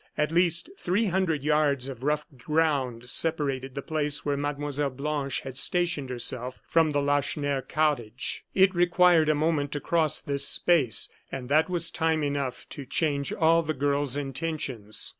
At least three hundred yards of rough ground separated the place where Mlle. Blanche had stationed herself, from the Lacheneur cottage. It required a moment to cross this space; and that was time enough to change all the girl's intentions.